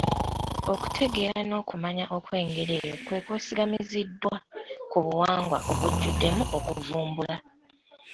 Okutegeera n’okumanya okw’engeri eyo kwe kwesigamiziddwa ku buwangwa obujjuddemu okuvumbula